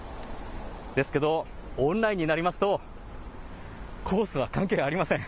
ですけどオンラインになりますとコースは関係ありません。